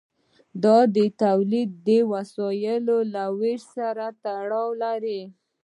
دا د تولید د وسایلو له ویش سره تړاو لري.